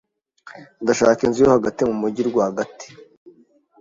Ndashaka inzu yo hagati mu mujyi rwagati.